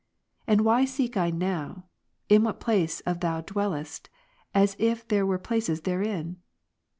And why seek I now, in j what place thereof Thou dwellest, as if there were places therein